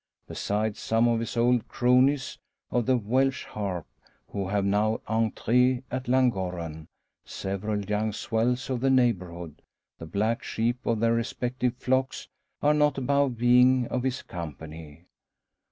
Besides, some of his old cronies of the "Welsh Harp," who have now entree at Llangorren, several young swells of the neighbourhood the black sheep of their respective flocks are not above being of his company.